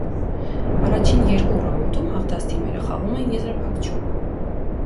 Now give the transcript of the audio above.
Առաջին երկու ռաունդում հաղթած թիմերը խաղում էին եզրափակչում։